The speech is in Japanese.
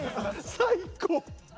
最高！